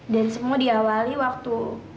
dan semua diawali waktu